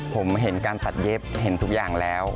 ผมเห็นการตัดเย็บเห็นทุกอย่างแล้ว